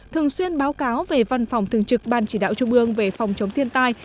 thường xuyên báo cáo về văn phòng thường trực ban chỉ đạo trung ương về phòng chống thiên tai